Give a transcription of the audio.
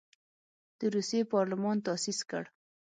د روسیې پارلمان تاسیس کړ.